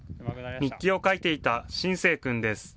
日記を書いていた心誠君です。